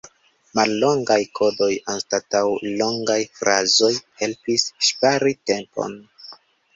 Mallongaj kodoj anstataŭ longaj frazoj helpis ŝpari tempon.